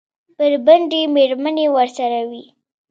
بربنډې مېرمنې ورسره وې.